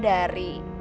aku mau ke rumah